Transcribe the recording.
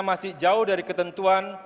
masih jauh dari ketentuan